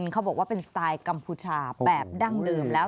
เขาบอกว่าเป็นสไตล์กัมพูชาแบบดั้งเดิมแล้ว